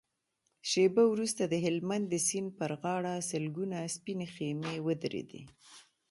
شېبه وروسته د هلمند د سيند پر غاړه سلګونه سپينې خيمې ودرېدې.